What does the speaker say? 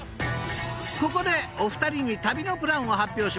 ［ここでお二人に旅のプランを発表します］